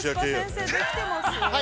◆先生できてます？